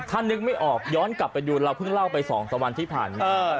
ถ้านึกไม่ออกย้อนกลับไปดูเราเพิ่งเล่าไป๒๓วันที่ผ่านมา